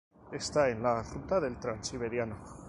Está en la ruta del Transiberiano.